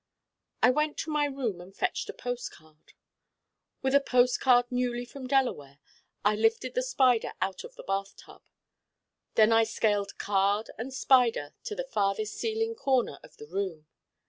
I went to my room and fetched a post card. With a post card newly from Delaware I lifted the Spider out of the bath tub. Then I scaled card and Spider to the farthest ceiling corner of the room.